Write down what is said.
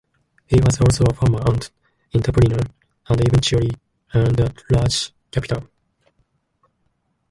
He was also a farmer and entrepreneur, and eventually earned a large capital.